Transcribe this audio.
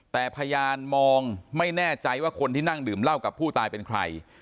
แต่พยานมองไม่แน่ใจว่าคนที่นั่งดื่มเหล้ากับผู้ตายเป็นใคร